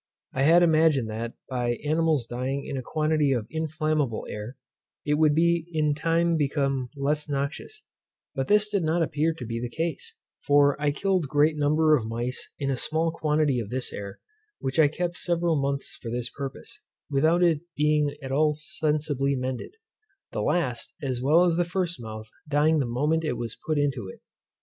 I had imagined that, by animals dying in a quantity of inflammable air, it would in time become less noxious; but this did not appear to be the case; for I killed great number of mice in a small quantity of this air; which I kept several months for this purpose, without its being at all sensibly mended; the last, as well as the first mouse, dying the moment it was put into it.